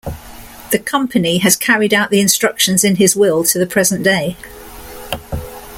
The Company has carried out the instructions in his will to the present day.